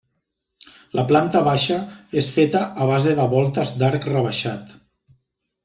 La planta baixa és feta a base de voltes d'arc rebaixat.